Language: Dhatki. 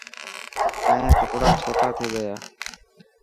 تايان ڪپڙا ڇوٽا ٿي گيا.